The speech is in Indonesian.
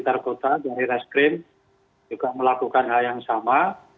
dari restream juga melakukan hal yang sama